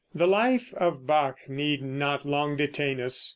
The life of Bach need not long detain us.